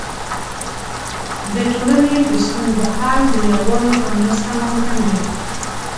د ټولنې د ستونزو حل د یووالي په مرسته ممکن دی.